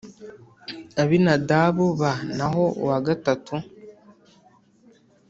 Abinadabu b naho uwa gatatu